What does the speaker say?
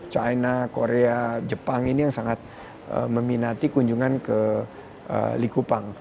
china korea jepang ini yang sangat meminati kunjungan ke likupang